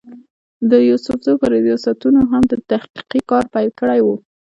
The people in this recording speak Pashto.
د يوسفزو پۀ رياستونو هم تحقيقي کار پېل کړی وو